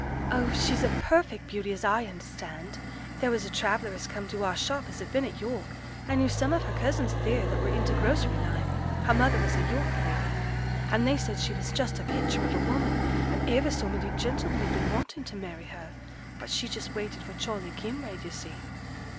'Oh! she's a perfect beauty, as I understand. There was a traveller as come to our shop as had been at York, and knew some of her cousins theere that were in t' grocery line her mother was a York lady and they said she was just a picture of a woman, and iver so many gentlemen had been wantin' to marry her, but she just waited for Charley Kinraid, yo' see!'